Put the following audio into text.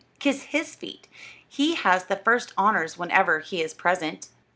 Kiss his feet; he has the first honors whenever he is present."